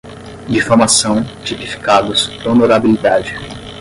difamação, tipificados, honorabilidade